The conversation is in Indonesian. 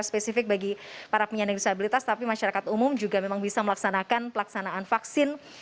spesifik bagi para penyandang disabilitas tapi masyarakat umum juga memang bisa melaksanakan pelaksanaan vaksin